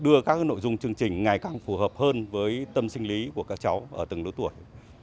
đưa các nội dung chương trình ngày càng phù hợp hơn với tâm sinh lý của các cháu ở từng đối tuổi